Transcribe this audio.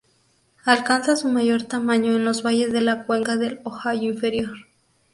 Alcanza su mayor tamaño en los valles de la cuenca del Ohio inferior.